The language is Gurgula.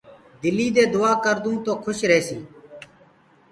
دلي دي دُآآ ڪردون تو کُش ريهسي